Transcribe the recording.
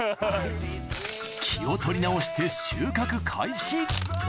気を取り直して収穫開始